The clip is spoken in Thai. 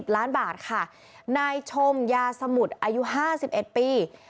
ล้านบาทค่ะนายชมยาสมุทรอายุ๕๑ปี